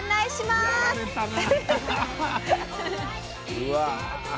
うわ。